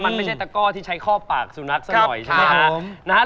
มันไม่ใช่ตะก้อที่ใช้ข้อปากสุนัขซะหน่อยใช่ไหมฮะ